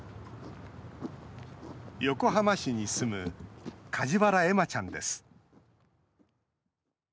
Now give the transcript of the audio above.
横浜市に住む梶原恵麻ちゃんです。